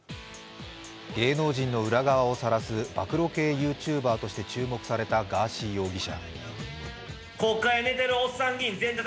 芸能人の裏側をさらす暴露系ＹｏｕＴｕｂｅｒとして注目されたガーシー容疑者。